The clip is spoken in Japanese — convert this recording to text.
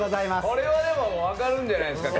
これはでも分かるんじゃないですか？